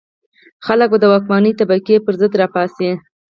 خلک به د واکمنې طبقې پر ضد را پاڅي.